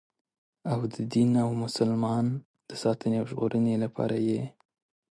او د دین او مسلمان د ساتنې او ژغورنې لپاره یې.